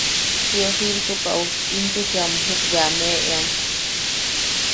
Tio Giltukaʼu intuchi a mujuk bea a meʼean.